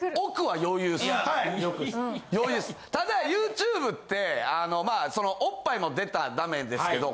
ただＹｏｕＴｕｂｅっておっぱいも出たらダメですけど。